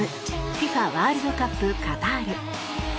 ＦＩＦＡワールドカップカタール。